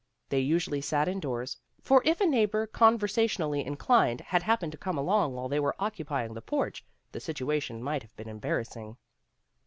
They usually sat indoors, for if a neighbor conversationally inclined had happened to come along while they were occupying the porch the situation might have been embarrassing.